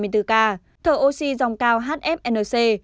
thở oxy dòng cao hfnc